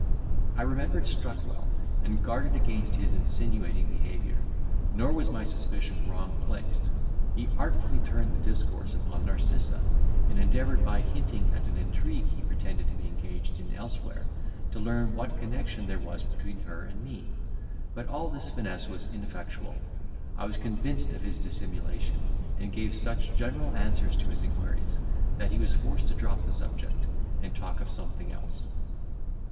I remembered Strutwell, and guarded against his insinuating behaviour; nor was my suspicion wrong placed; he artfully turned the discourse upon Narcissa, and endeavoured by hinting at an intrigue he pretended to be engaged in elsewhere, to learn what connection there was between her and me. But all his finesse was ineffectual, I was convinced of his dissimulation, and gave such general answers to his inquiries, that he was forced to drop the subject, and talk of something else.